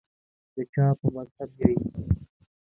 دچا په مذهب یی